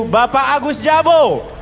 bapak agus jabo